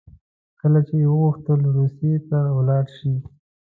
کله چې یې وغوښتل روسیې ته ولاړ شي.